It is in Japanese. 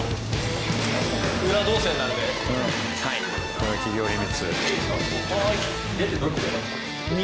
これは企業秘密。